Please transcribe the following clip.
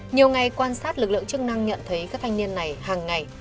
nhiều ngày quan sát lực lượng chức năng nhận thấy các thanh niên này hàng ngày